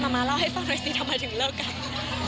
มาเล่าให้ฟังหน่อยสิทำไมถึงเลิกกัน